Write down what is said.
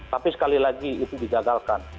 tapi sekali lagi itu dijagalkan